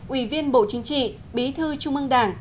ủy viên bộ chính trị bí thư trung ương đảng